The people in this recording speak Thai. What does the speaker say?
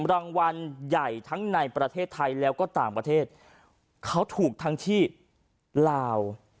รางวัลใหญ่ทั้งในประเทศไทยแล้วก็ต่างประเทศเขาถูกทั้งที่ลาว